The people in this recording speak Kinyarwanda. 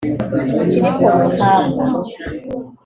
Filipo Rukamba